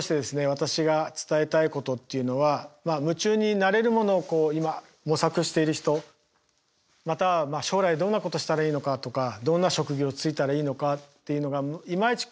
私が伝えたいことっていうのは夢中になれるものをこう今模索している人または将来どんなことしたらいいのかとかどんな職業就いたらいいのかっていうのがいまいち